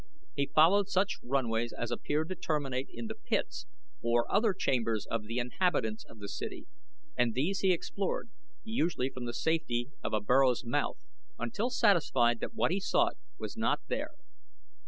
He followed such runways as appeared to terminate in the pits or other chambers of the inhabitants of the city, and these he explored, usually from the safety of a burrow's mouth, until satisfied that what he sought was not there.